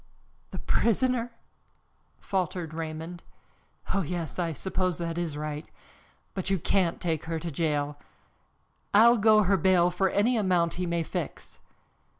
"The prisoner!" faltered Raymond. "Oh, yes, I suppose that is right. But you can't take her to jail. I'll go her ball for any amount he may fix."